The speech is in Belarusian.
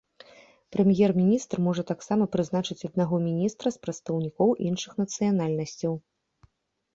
Прэм'ер-міністр можа таксама прызначыць аднаго міністра з прадстаўнікоў іншых нацыянальнасцяў.